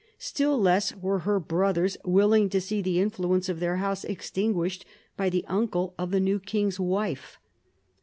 Still less were her brothers willing to see the influence of their house extinguished by the uncle of the new king's wife.